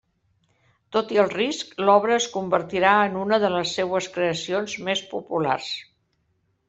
Tot i el risc, l'obra es convertirà en una de les seues creacions més populars.